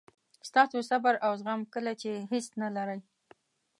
ستاسو صبر او زغم کله چې هیڅ نه لرئ.